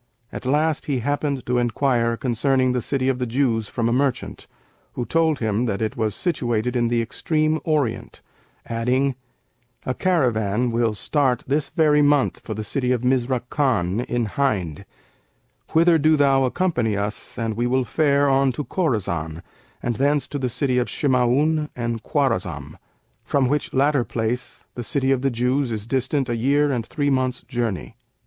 At last he happened to enquire concerning the city of the Jews from a merchant who told him that it was situated in the extreme Orient, adding, 'A caravan will start this very month for the city of Mizrakαn in Hind; whither do thou accompany us and we will fare on to Khorasan and thence to the city of Shima'ϊn and Khwαrazm, from which latter place the City of the Jews is distant a year and three months' journey.'